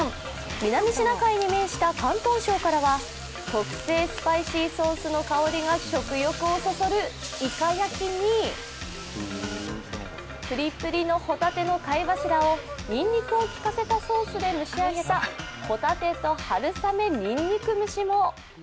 南シナ海に面した広東省からは特製スパイシーソースの香りが食欲をそそるいか焼きにぷりぷりの帆立ての貝柱をにんにくを効かせたソースで蒸し上げた、帆立てと春雨にんにく蒸しも。